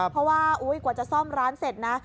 เพราะว่ากว่าจะซ่อมร้านเสร็จนะ